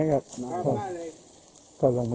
เหลืองเท้าอย่างนั้น